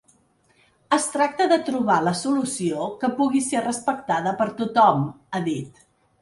Es tracta de trobar la solució que pugui ser respectada per tothom, ha dit.